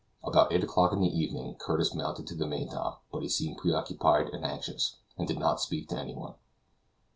About eight o'clock in the evening, Curtis mounted to the main top, but he seemed preoccupied and anxious, and did not speak to anyone.